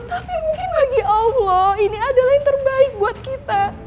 tapi mungkin bagi allah ini adalah yang terbaik buat kita